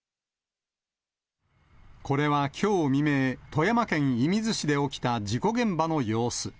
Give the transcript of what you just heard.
これはきょう未明、富山県射水市で起きた事故現場の様子。